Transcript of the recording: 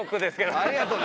ありがとうね。